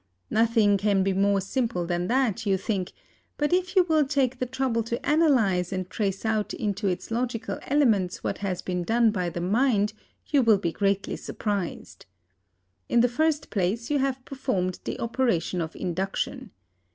Nothing can be more simple than that, you think; but if you will take the trouble to analyse and trace out into its logical elements what has been done by the mind, you will be greatly surprised. In the first place you have performed the operation of induction.